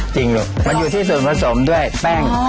ลูกมันอยู่ที่ส่วนผสมด้วยแป้ง